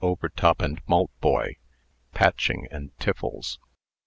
Overtop and Maltboy, Patching and Tiffles.